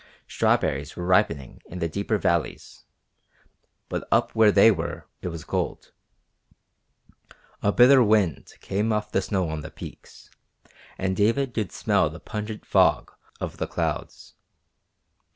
Strawberries were ripening in the deeper valleys, but up where they were it was cold. A bitter wind came off the snow on the peaks, and David could smell the pungent fog of the clouds.